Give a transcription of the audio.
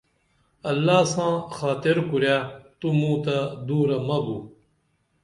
اللہ ساں خاطر کُرے تو موں تہ دورہ مہ بو